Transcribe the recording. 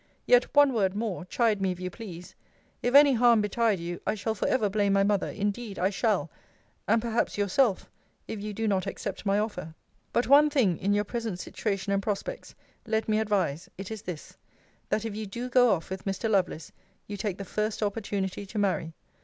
Yet, one word more, chide me if you please: If any harm betide you, I shall for ever blame my mother indeed I shall and perhaps yourself, if you do not accept my offer. But one thing, in your present situation and prospects, let me advise: It is this, that if you do go off with Mr. Lovelace, you take the first opportunity to marry.